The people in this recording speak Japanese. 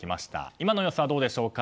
今の様子はどうでしょうか。